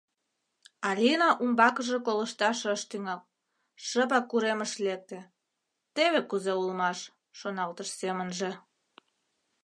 Алина умбакыже колышташ ыш тӱҥал, шыпак уремыш лекте, «Теве кузе улмаш!» — шоналтыш семынже.